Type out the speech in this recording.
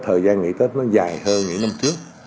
thời gian nghỉ tết nó dài hơn những năm trước